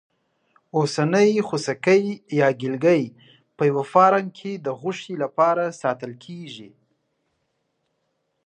اوسنی خوسکی په یوه فارم کې د غوښې لپاره ساتل کېږي.